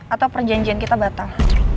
atau perjanjian kita batal